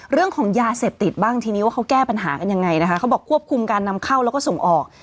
เรื่องของยาเสพติดบ้างทีนี้ว่าเขาแก้ปัญหากันยังไงนะคะเขาบอกควบคุมการนำเข้าแล้วก็ส่งออก